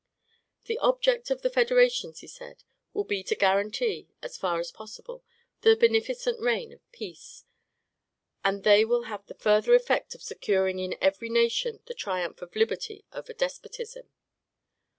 The object of the federations, he said, will be to guarantee, as far as possible, the beneficent reign of peace; and they will have the further effect of securing in every nation the triumph of liberty over despotism.